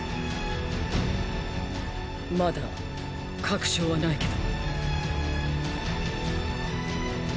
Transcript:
まだ確証はないけど。